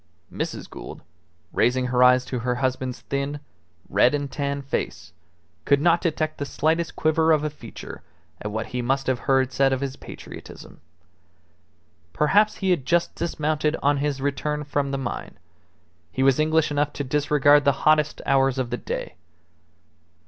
Mrs. Gould, raising her eyes to her husband's thin, red and tan face, could not detect the slightest quiver of a feature at what he must have heard said of his patriotism. Perhaps he had just dismounted on his return from the mine; he was English enough to disregard the hottest hours of the day.